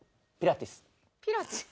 ピラティス？